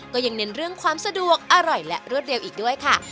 ก็ยังเน้นเรื่องความสะดวกอร่อยและรวดเร็วอีกด้วยค่ะ